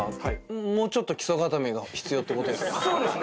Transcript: もうちょっと基礎固めが必要ってことですか？